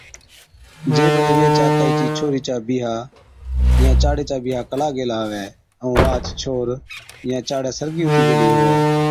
جي بڙي ويھِچ آڪھِي چِي ڇوھرِي چا (چاڙي) بِيھا ڪلا گيلا ھُوَي ائُون واھچ ڇوھر سرگِي ھُتِي گيلِي ھُوَي